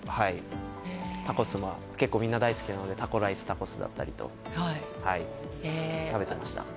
タコスは結構みんな大好きなのでタコライス、タコスだったりとか食べてました。